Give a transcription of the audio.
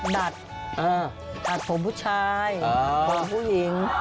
ตัดตัดผมผู้ชายผมผู้หญิง